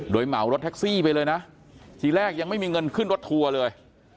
โดยเหมารถแท็กซี่ไปเลยนะทีแรกยังไม่มีเงินขึ้นรถทัวร์เลย